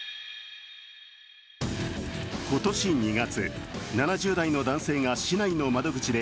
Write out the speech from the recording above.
今年２月、７０代の男性が市内の窓口で